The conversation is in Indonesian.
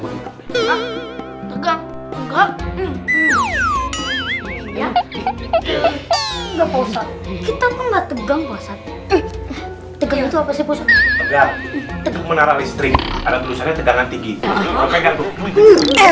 kita enggak tegang bosan tegang itu apa sih menara listrik ada tulisannya tegangan tinggi